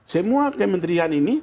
semua kementerian ini